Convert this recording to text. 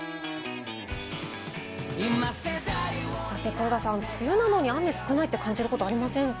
黒田さん、梅雨なのに雨少ないと感じることはありませんか？